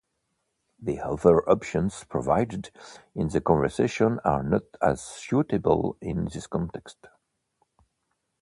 The other options provided in the conversation are not as suitable in this context.